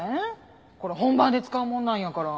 これ本番で使うものなんやから。